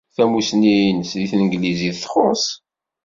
Tamussni-nnes deg tanglizit txuṣṣ.